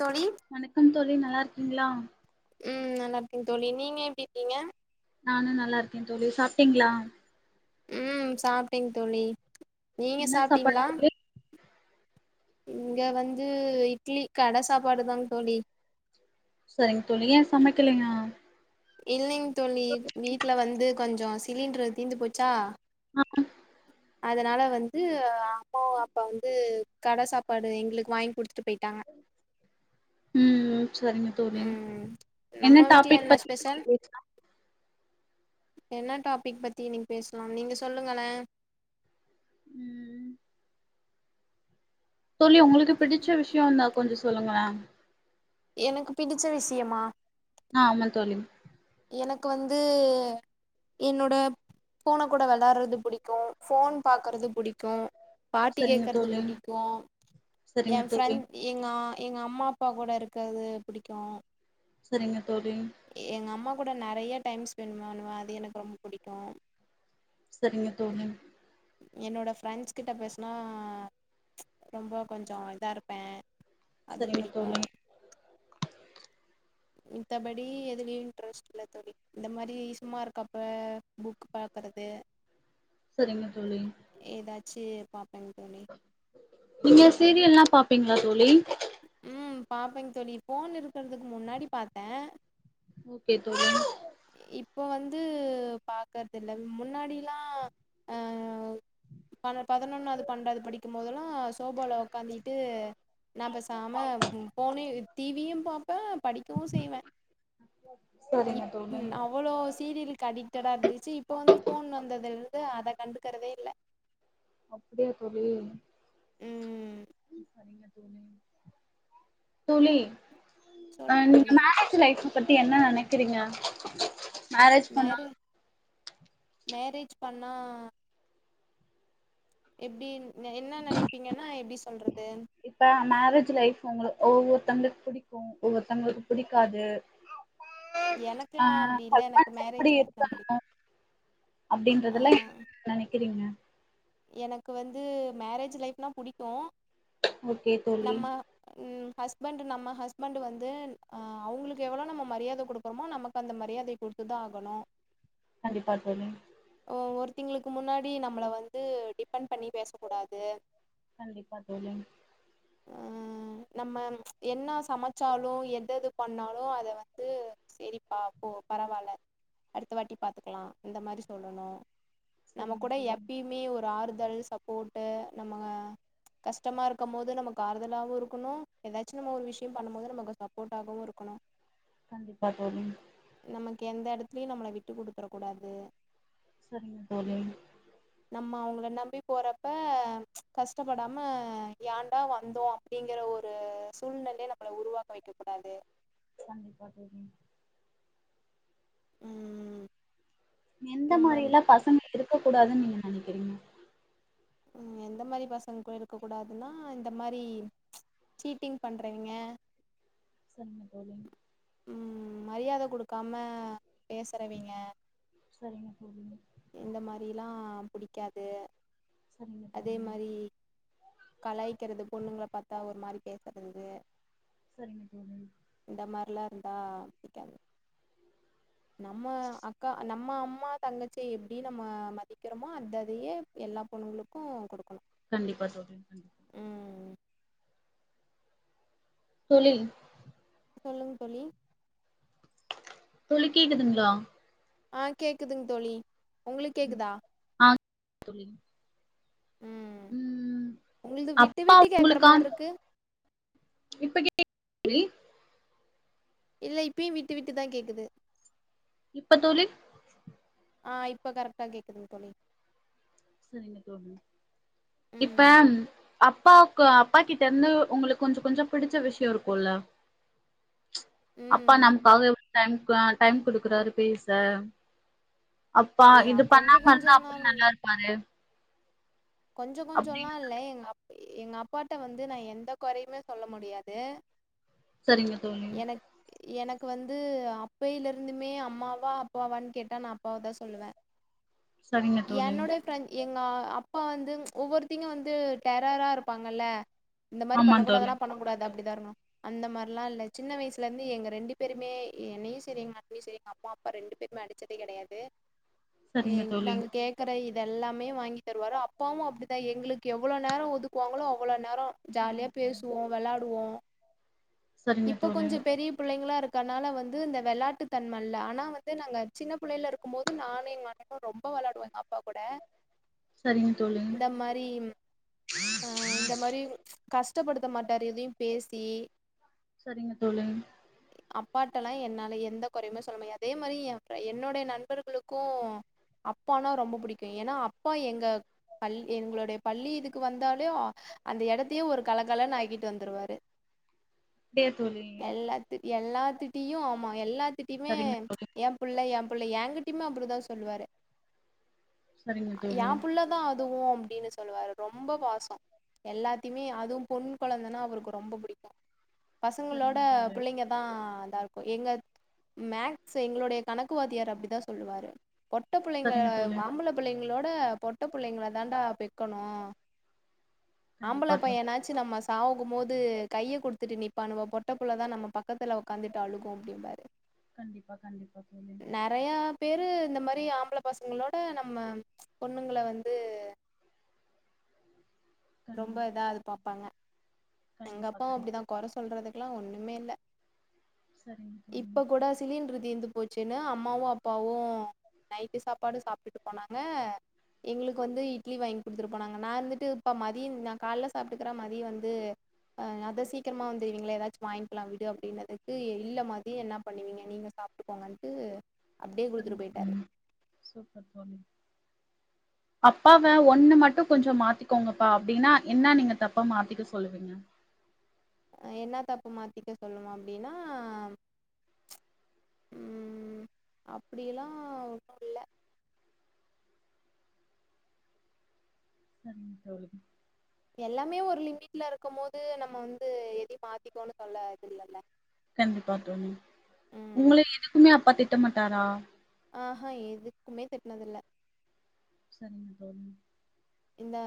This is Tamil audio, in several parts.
தோழி வணக்கம் தோழி நல்லாருக்கீங்களா? ம் நல்லாருக்கே தோழி நீங்க எப்புடி இருக்கீங்க? நானு நல்லா இருக்கே தோழி சாப்டீங்களா? ம் சாப்டேங் தோழி. நீங்க என்ன சாப்பாடு சாப்டீங்ளா தோழி இங்க வந்து இட்லி கட சாப்பாடுதாங் தோழி சரி தோழி ஏ சமைக்கலயா? இல்லேங் தோழி வீட்ல வந்து கொஞ்சோ சிலிண்ட்ரு தீந்து போச்சா ஆ அதனால வந்து அம்மா அப்பா வந்து கட சாப்பாடு எங்களுக்கு வாங் குடுத்துட்டு போயிட்டாங்க ம் சரிங்க தோழி ம் என்ன நம்ம வீட்ல டாபிக் என்ன பத்தி ஸ்பெஷல் [inaudible] லா என்ன டாபிக் பத்தி இன்னக்கி பேசலாம் நீங்க சொல்லுங்களே. ம் தோழி உங்களுக்கு பிடிச்ச விஷயோ இருந்தா கொஞ்சோ சொல்லுங்களே எனக்கு பிடிச்ச விஷயமா? ஆமா தோழி. எனக்கு வந்து என்னோட பூனக் கூட வெளாட்றது புடிக்கு ஃபோன் பாக்கறது புடிக்கு. பாட்டி சரிங்க கேக்கறது தோழி புடிக்கு சரிங்க ஏன் தோழி ஃப்ரெண்ட் எங்க அ எங்க அம்மா அப்பா கூட இருக்கறது புடிக்கும் சரிங்க தோழி. அம்மா கூட நறைய டைம் ஸ்பெண்ட் பண்ணுவே அது எனக்கு ரொம்ப புடிக்கு சரிங்க தோழி என்னோட ஃப்ரெண்ட்ஸ் கிட்ட பேசுனா ரொம்ப கொஞ்சோ இதா இருப்பே. அது சரிங்க பிடிக்கு. தோழி மித்தப்படி எதுலயு இன்ட்ரெஸ்ட் இல்ல தோழி இந்த மாரி சும்மா இருக்கப்ப புக்கு பாக்கறது சரிங்க தோழி. ஏதாச்சு பாப்பேங் தோழி நீங்க சீரியல்லா பாப்பீங்களா தோழி ம் பாப்பேங் தோழி, போன் இருக்கறதுக்கு முன்னாடி பாத்தே. ஓகே தோழி‌. இப்போ வந்து பாக்கற்து இல்ல, முன்னாடி லாம் அ பன பதனொன்னாது, பன்டாது படிக்கும் போதெல்லாம் சோபால உக்காந்திட்டு நா பெசாம போனு டிவியும் பாப்பே, படிக்கவும் செய்வே. சரிங்க தோழி உம் அவளோ சீரிலுக்கு கடிக்டடா இருந்துச்சு இப்ப வந்து போன் வந்ததுல இருந்து அத கண்டுக்கறதே இல்ல அப்படியா தோழி ம் ம் சரிங்க தோழி அஹ் சொல்லுங்க நீங்க தோழி மேரேஜ் லைஃப்பு பத்தி என்ன நனைக்கிறீங்க மேரேஜ் பண்ணா மேரே மேரேஜ் பண்ணா எப்டின் [unintelligible] என்ன நினைப்பீங்கன்னா எப்டி சொல்றது த்தங்களுக்கு புடிக்கும் ஒவ்வொருத்தங்களுக்கு புடிக்காது ஆ எனக்கெல்லாம் அப்டி இல்ல எனக்கு ஹஸ்பண்ட்ஸ் மேரேஜ் லைஃப் தான் புடிக் அப்படின்றதெல்லா [inaudible] நினைக்கிறீங்க எனக்கு வந்து மேரேஜ் லைஃப்னா புடிக்கும் ஓகே தோழி நம்ம உம்ம் ஹஸ்பண்டு நம்ம ஹஸ்பண்டு வந்து அஹ் அவுங்களுக்கு எவ்வளோ நம்ம மரியாதை குடுக்குறோமோ நமக்கு அந்த மரியாதைய குடுத்துதான் ஆகணும் கண்டிப்பா தோழி ஒவ்வொருத்திங்களுக்கு முன்னாடி நம்மள வந் வந்து டிபென்ட் பண்ணி பேசக்கூடாது கண்டிப்பா தோழி அஹ் நம்ம ப்ச் என்ன சமைச்சாலும் எந்த இது பண்ணாலும் அத வந்து செரிப்பா போ பரவால்ல அடுத்த வாட்டி பாத்துக்கலாம் இந்த மாதிரி சொல்லணும் சரிங்க தெரியுங்க இப்படி ஒரு ஆறுதல் சப்போர்ட் ட்டு நம்ம கஷ்டமா இருக்கும் போது நமக் ஆறுதலாவும் இருக்கணும் ஏதாச்சும் நம்ம ஒரு விஷயம் பண்ணும் போது நமக்கு சப்போர்ட்டாகவும் இருக்கணும். கண்டிப்பா தோழி எந்த எடத்துலயும் நம்மள விட்டு குடுத்துரக் கூடாது சரிங்க தோழி நம்ம அவுங்கள நம்பி போறப்ப ச் கஷ்டப்படாம ஏண்டா வந்தோம் அப்படிங்கிற ஒரு சூழ்நிலையை நம்மள உருவாக்க வைக்கக் கூடாது கண்டிப்பா புரியுது உம் உம் எந்த மாரியெல்லாம் பசங்க இருக்- க்கக் கூடாதுன்னு நீங்க நெனைக்கிறீங்க உம் எந்த மாதிரி பசங்க கூட இருக்க கூடாதுன்னா இந்த மாதிரி ச் சீட்டிங் பண்றவெங்க சொன்னாங்க போகலைனு உம் மரியாத கொடுக்காம பேசுறவைங்க செரிங்க போகுங்க இந்த மாரிலா புடிக்காது சரிங்க அதே தோழி மாரி கலாய்கிறது பொண்ணுங்ள பாத்தா ஒரு மாரி பேசுறது சரிங்க தோழி தான் [unintelligible] நம்ம அக்கா நம் மா அம்மா தங்கச் இப்ப எப்டி நம்ம மதிக்கிறோமோ அந்த அதையே எல்லா பொண்ணுங்களுக்கும் கொடுக் கண்டிப்பா சொல்றேன் தோழி தோழி சொல்லுங்க தோழி தோழி கேக்குதுங்களா ஆஹ் கேக்குதுங்க தோழி உங்களுக்கு ம். கேக்குதா தோழி ம் உம் உங்கள்து விட்டு அப்பா விட்டு கேக்குற உங்களுக்கான் மார்ருக்கு இப்ப கேக்கு [unintelligible] இல்ல இப்பயும் விட்டு விட்டுதான் கேக்குது இப்ப தோழி ஆஹ் இப்போ கரெக்டா கேக்குதுங் தோழி செரிங்க தோழி இப்ப ம் அப்பாவுக்கு அப்பா கிட்ட இருந்து உங்களுக்கு கொஞ்சம் கொஞ்சம் பிடிச்ச விஷயம் இருக்கும்ல அப்பா ம் நமக்காகவே டம் டைம் குடுக்குறாரு பேச அப்பா ஏ இது கொஞ்ச பண்ணாம கொஞ்ச இருந்தா அப்படி நாள் நல்லா இரு அது கொஞ்சம் கொஞ்சம்ல்லா இல்ல எங்க அப் எங்க அப்பாட்ட வந்து நான் எந்த குறையுமே சொல்ல முடியாது சரிங்க தோழி எனக் எனக்கு வந்து அப்பையில இருந்துமே அம்மாவா அப்பாவான்னு கேட்டா நான் அப்பாவ தான் சொல்லுவேன் சரிங்க தோழி என்னோடய பிரஃண் என் நா அப் அப்பா வந்து ஒவ்வொருத்திங்க வந்து டெரரா இருப்பாங்கல்ல இந்த மாரி ஆமா தோழி பண்ணக்கூடாதுனா பண்ணக்கூடாதுதா அப்டிதா இருக்கணும். அந்த மாரிலாம் இல்ல சின்ன வயசுல இருந்து எங்க ரெண்டு பேருமே என்னையும் செரி எங்க அண்ணனையும் செரி எங்க அம்மா அப்பா ரெண்டு பேருமே அடிச்சதே கெடையாது சரிங்க எங் தோழி நாங்க கேக்கற எல்லாமே வாங்கி தருவாரு அப்பாவும் அப்டிதா எங்களுக்கு எவ்வுளோ நேரோ ஒதுக்குவாங்களோ அவ்வளோ நேரோ ஜாலியா சரிங்க தோழி பேசுவோ வெளாடுவோ சரிங்க இப்ப தோழி கொஞ்சோ பெரிய பிள்ளைங்களா கனால வந்து இந்த வெளாட்டு தன்ம இல்ல ஆனா வந்து நாங்க சின்னப்புள்ளைல இருக்கும் போது நானு என் அண்ணனு ரொம்ப வெளாடுவோ எங்க அப்பாக்கூட சரிங்க தோழி இந்த மாரி அ இந்த மாரி கஷ்டப்படுத்த மாட்டார் எதையு பேசி சரிங்க தோழி அப்பாட்டலாம் என்னால எந்த கொறையுமே சொல்ல முடி அதே மாரி ஏ என்னுடைய நண்பர்களுக்கும் அப்பானா ரொம்ப புடிக்கும் ஏன்னா அப் அப்பா எங்க பள் எங்களுடைய பள்ளி இதுக்கு வந்தாலே அந்த எடத்தையே ஒரு கலகலன்னு ஆக்கிட்டு வந்துருவாரு அப்டியா தோழி எல்லாத்திட்டியு ஆமா எல்லா திட்டியுமே சரிங்க தோழி ஏன் புள்ள ஏன் புள்ள ஏங்கிட்டியுமே அப்டிதான் சொல்லுவாரு சரிங்க தோழி யான் புள்ளதா அதுவு அப்டின்னு சொல்லுவாரு ரொம்ப பாசோ எல்லாத்தியுமே அதுவும் பொண் கொழந்தன்னா அவருக்கு ரொம்ப புடிக்கு பசங்களோட சரிங்க தோழி புள்ளைங்க தா [unintelligible] எங்க மேக்ஸ் எங்களுடைய கணக் கணக்கு வாத்தியார் அப்டிதா சொல்லுவாரு பொட்டப்புள்ளைங்க சரிங்க தோழி ஆம்பள புள்ளைங்களோட பொட்டப் புள்ளைங்கள தான்டா பெக்கணு ஆம்பள கண்டிப்பா தோழி பையனாச்சு நம்ம சாகும் மோது கைய குடுத்துட்டு நிப்பானுவோ பொட்டப்புள்ள தா நம்ம பக்கத்துல உக்காந்துட்டு அழுகு அப்டிம்பாரு கண்டிப்பா கண்டிப்பா தோழி நெறைய பேரு இந்த மாரி ஆம்பள பசங்களோட நம் நம்ம பொண்ணுங்கள வந்து ரொம்ப கண்டிப்பா இதா அது பாப்பாங்க எங்க கண்டிப்பா அப்பவும் அப்டிதா கண்டிப்பா கொற சொல்றதுக்குலாம் ஒன் ஒன்னுமே இல்ல சரிங்க தோழி இப்ப கூட சிலிண்ட்ரு தீந்து போச்சின்னு அம்மாவு அப்பாவு நைட்டு சாப்பாடு சாப்டுட்டு போனாங்க எங்குளுக்கு வந்து இட்லி வாயிங் குடுத்துட்டு போனாங்க நா இருந்துட்டு இப்ப மத்தியந்தா கால்ல சாப்ட்டுக்கற மதியு வந்து ஆ அத்தா சீக்கிரமா வந்துருவீங்கிளே எதாச்சு வாயிங்கிலா விடு அப்டினதுக்கு ஏ இல்லா மதியு என்னா பண்ணுவீங்க நீங்க சாப்ட்டு போங்கன்ட்டு செரிங்க சூப்பர் தோழி அப்பாவே ஒன்னு மட்டு கொஞ்சோ மாத்திக்கோங்கப்பா அப்டினா என்னா நீங்க தப்ப மாத்தீக்க சொல்லுவீங்க ஆ என்னா தப்பு மாத்திக்க சொல்லுவோ அப்டினா ச்ச ம் அப்பிடியெல்லா ஒண்ணு இல்ல செரிங்க தோழி எல்லாமே ஒரு லிமிட்லருக்கும் மோது நம்ம வந்து எதியு மாத்திக்கோனு சொல்ல இது இல்லல்லே கண்டிப்பா தோழி ம் உங்கள எதுக்குமே அப்பாத் திட் டம் மாட்டாரா அஆ எதுக்குமே திட்னதில்ல செரிங்க தோழி இந்த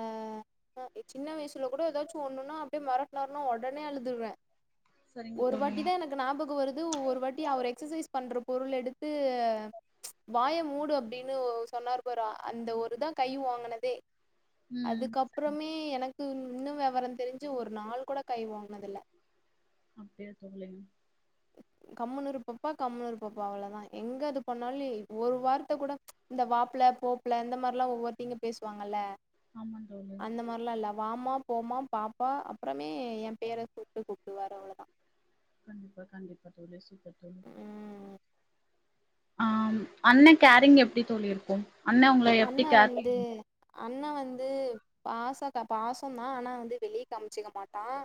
ஆ எ சின்ன வய்சுல கூட எதாச்சு ஒண்ணுனா அப்டே மெரட்னார்னா ஒடனே அழுதுர்வே சரிங்க ஒரு தோழி வாட்டிதே எனக்கு ஞாபகோ வருது ஒரு வாட்டி அவுரே க்ஸர்சைஸ் பண்ற பொருள் எடுத்து ச்ச வாய மூடு அப்டினு ஓ சொன்னாரு பாரு ஆ அந்த ஒருதா கை ஓங்கனதே ம் சரிங்க அதுக்கப்றமே எனக் து இன்னு வெவரந் தெரிஞ்சு ஒரு நாள் கூட கை ஓங்னதில்ல அப்டியா தோழி கம்முனுரு பப்பா கம்முனுரு பப்பா அவ்ளோதா எங்க அது பண்ணாலி ஒரு வார்த்தக் கூட ச்ச இந்த வாப்ல போப்ல இந்த மார்லா ஒவ்வொர்த்தீங்க பேசுவாங்கல்லே ஆமா தோழி வாமாம் போமாம் பாப்பா அப்றமே எ பேர கூப்ட்டு கூப்ட்டுவாரு அவ்ளோதா கண்டிப்பா கண்டிப்பா துளசி ட்ரெயினு ம் ஆ அண்ணே கேரிங் எப்படி தோழி இருக்கும் அண்ணே உங்கள எப்படி கேர் அண்ணே வந்து பாசக பாசந்தா ஆனா வந்து வெளிய காமிச்சிக்க மாட்டான்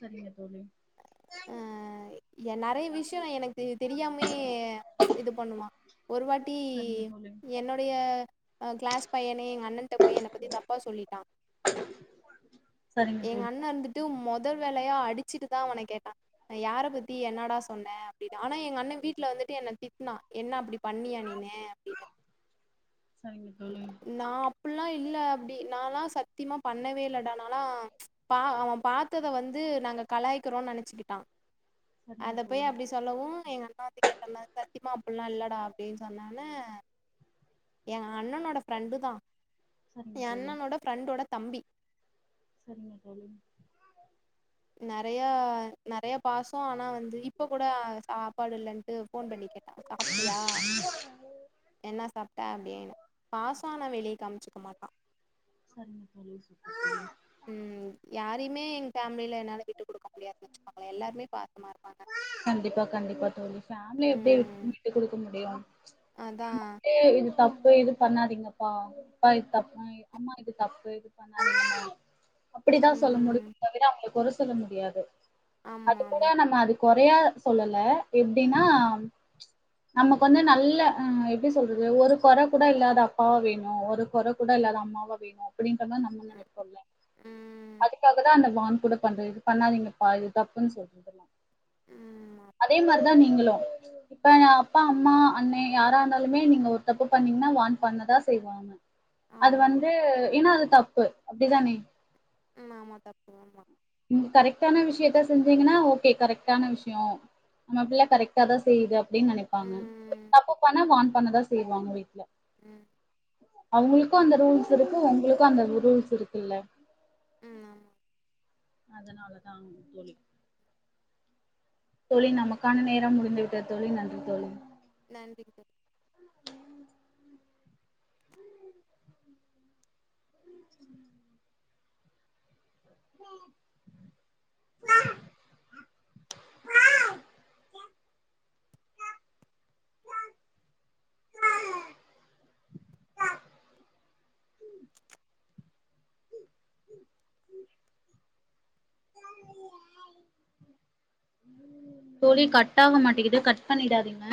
சரிங்க தோழி. அ எ நெறைய விஷயம் எனக்கு தெரிமயே இது பண்ணுவான் ஒரு வாட்டி சரிங்க தோழி. என்னுடைய அ க்ளாஸ் பையனே எங்க அண்ணன்ட்ட போய் என்ன பத்தி தப்பா சொல்லிட்டா சரிங்க எங்க தோழி. அண்ணே இருந்துட்டு மொ முதல் வேலையா அடிச்சிட்டுதா ஒனைய கேட்டா யார பத்தி என்னடா சொன்ன அப்படின் ஆனா எங்க அண்ணே வீட்ல வந்துட்டு என்ன திட்னான் என்ன அப்படி பண்ணியா நீனு அப்டினு சரிங்க தோழி. நா அப்புல்லா இல்ல அப்டி நால்லா சத்தியமா பண்ணவே இல்லடானாலா பா அவன் பாத்தத வந்து நாங்க கலாய்க்கிறோன் நெனச்சுக்கிட்டா சரிங்க அத தோழி. போய் அப்டி சொல்லவு எங்க அண்ணே வந்து கேட்டானா சத்திமா அப்புல்லா இல்லடா அப்படின்னு சொன்னோன எங்க அண்ணனோட ஃப்ரெண்டு தா சரிங்க என் தோழி. அண்ணனோட ஃப்ரெண்டோடத் தம்பி சரிங்க தோழி நறைய நறைய பாசம் ஆனா வந்து இப் இப்ப கூட சாப்பாடு இல்லன்ட்டு ஃபோன் பண்ணி கேட்டான் சாப்ட்டியா என்ன சாப்ட்ட அப்டின்னு பாசம் ஆனா வெளிய காம்ச்சிக்க மாட்டான் சரிங்க தோழி. சூப்பர் தோழி. உம் யாரையுமே எங்க ஃபேமிலில என்னால விட்டு குடுக்க முடியாதுன்னு வச்சுக்கோங்களே எல்லாருமே பாசமா இருப்பாங்க கண்டிப்பா கண்டிப்பா தோழி ஃபேமிலி எப்படி விட்டு குடுக்க முடியும் அதான். தப்பு இது பண்ணாதீங்கப்பா [unintelligible] ஆமா இது தப்பு இது [inaudible] அப்டித்தா சொல்ல முடியு ம் தவிர அவங்களுக்கு வந்து சொல்ல முடியாது அது ஆமா கூட ஆமா நம்ம அது கொறையா சொல்லல எப்டின்னா நமக்கு வந்து நல்ல அ எப்டி சொல்றது ஒரு கொற கூட இல்லாத அப்பாவா வேணு ஒரு கொற கூட இல்லாத அம்மா வா வேணு அப்டிங்கறதா நம்ம நெனைப்போல ம் அதுக்காக தா அந்த கூட பண்றது இது பண்ணாதீங்கப்பா இது தப்புன் சொல்றதுலா ம் அதே மாரி தா நீங்களு இப்ப அப்பா அம்மா அண்ணே யாரா இருந்தாலுமே நீங்க ஒரு தப்பு பண்ணீங்கன்னா வான் பண்ணதா செய்வாங்க அது ஆமா வந் து ஏன்னா அது தப்பு அப்படிதானே ம் ஆமா தப்பு ஆமா கரெக்டான விஷயத்த செஞ்சீங்கன்னா ஓகே கரெக்டான விஷயம் நம்ம பிள்ள கரெக்டா தா செய்யுது அப்டின்னு நெனைப்பாங்க ம் தப்பு பண்ணா வான் பண்ணதா செய்வாங்க வீட்ல ம் அவங்களுக்கு அந்த ரூல்ஸ் கண்டிப்பா இருக்கு ஒங்குளுக் கு அந்த ரூல்ஸ் இருக்குல்ல ம் ஆமா அதனாலதான் தோழி தோழி நமக்கான நேரம் முடிந்து விட்டது தோழி நன்றி தோழி நன்றிங் தோ தோழி கட் ஆக மாட்டிங்கிது கட் பண்ணிடாதீங்க